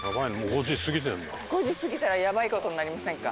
５時過ぎたらやばい事になりませんか？